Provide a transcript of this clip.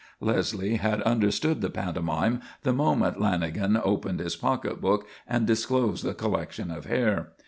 Leslie had understood the pantomime the moment Lanagan opened his pocketbook and disclosed the collection of hair.